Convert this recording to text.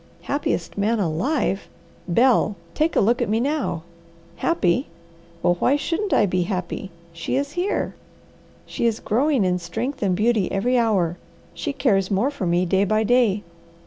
Happiest man alive! Bel, take a look at me now! Happy! Well, why shouldn't I be happy? She is here. She is growing in strength and beauty every hour. She cares more for me day by day.